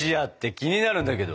気になるんだけど。